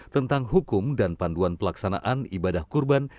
tentang hukum dan panduan pelaksanaan ibadah kurban